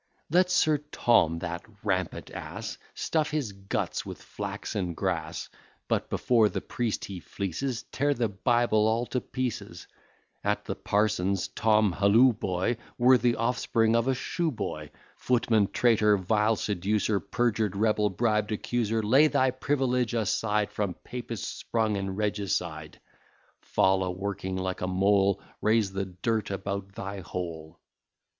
Let Sir Tom, that rampant ass, Stuff his guts with flax and grass; But before the priest he fleeces, Tear the Bible all to pieces: At the parsons, Tom, halloo, boy, Worthy offspring of a shoeboy, Footman, traitor, vile seducer, Perjured rebel, bribed accuser, Lay thy privilege aside, From Papist sprung, and regicide; Fall a working like a mole, Raise the dirt about thy hole.